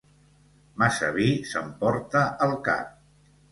Massa vi s'emporta el cap.